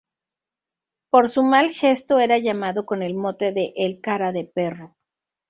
Por su mal gesto era llamado con el mote de ""el Cara de Perro"".